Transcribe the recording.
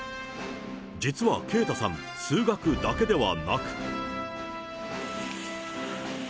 実は圭太さん、数学だけではなく。